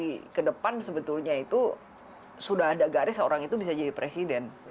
jadi ke depan sebetulnya itu sudah ada garis orang itu bisa jadi presiden